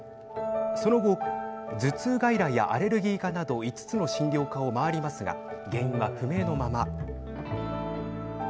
その後頭痛外来やアレルギー科など５つの診療科を回りますが原因は不明のまま。